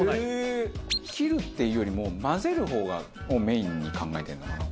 切るっていうよりも混ぜる方をメインに考えてるんだな